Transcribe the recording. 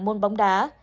môn bóng đá